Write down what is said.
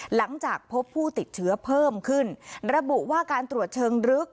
หลังจากพบผู้ติดเชื้อเพิ่มขึ้นระบุว่าการตรวจเชิงลึก